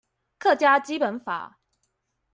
客家基本法